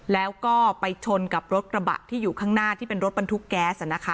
แล้วก็ไปชนกับรถกระบะที่อยู่ข้างหน้าที่เป็นรถบรรทุกแก๊ส